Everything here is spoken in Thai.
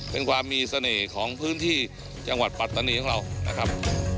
เป็นความมีเสน่ห์ของพื้นที่จังหวัดปัตตานีของเรานะครับ